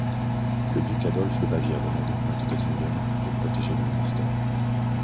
Le duc Adolphe de Bavière demande au comte d'Öttingen de protéger le monastère.